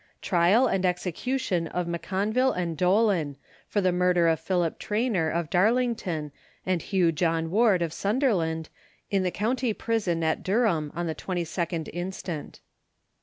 TRIAL AND EXECUTION OF M'CONVILLE & DOLAN For the Murder of Philip Trainer, of Darlington, and Hugh John Ward, of Sunderland, in the County Prison, at Durham, on the 22nd instant.